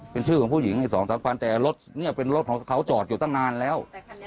เป็นชื่อของผู้หญิงไอ้สองสามคันแต่รถเนี่ยเป็นรถของเขาจอดอยู่ตั้งนานแล้ว